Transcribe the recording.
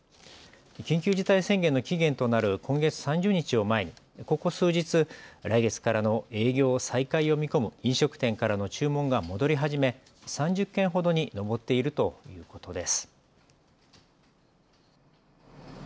緊急事態宣言の期限となる今月３０日を前に、ここ数日、来月からの営業再開を見込む飲食店からの注文が戻り始め、３０件ほどに上っているということです。